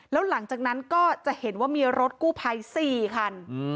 แล้วหลังจากนั้นก็จะเห็นว่ามีรถกู้ภัย๔คัน